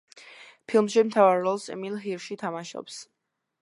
ფილმში მთავარ როლს ემილ ჰირში თამაშობს.